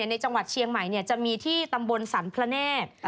ในจังหวัดเชียงใหม่จะมีที่ตำบลสรรพระเนธ